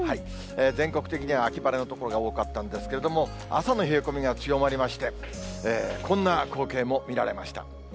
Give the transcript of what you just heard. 全国的には秋晴れの所が多かったんですけれども、朝の冷え込みが強まりまして、こんな光景も見られました。